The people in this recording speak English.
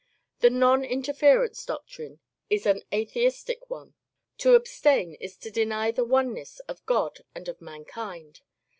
The non interference doctrine is an atheistic one. To abstain is to deny the oneness of God and of mankind.